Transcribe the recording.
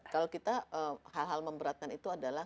kalau kita hal hal memberatkan itu adalah